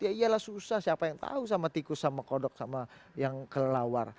ya iyalah susah siapa yang tahu sama tikus sama kodok sama yang kelelawar